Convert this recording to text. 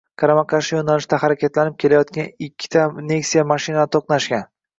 Qarama-qarshi yo‘nalishda harakatlanib kelayotgan ikkita Nexia mashinalari to‘qnashgan